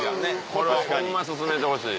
これはホンマ進めてほしい。